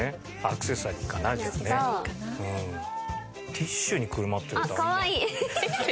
ティッシュにくるまってるとあんまり。